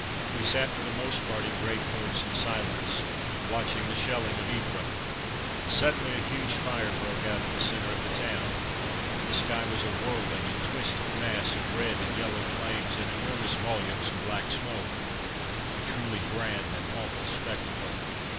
We sat for the most part in greatcoats and silence, watching the shelling of Ypres. Suddenly a huge fire broke out in the centre of the town. The sky was a whirling and twisting mass of red and yellow flames, and enormous volumes of black smoke. A truly grand and awful spectacle.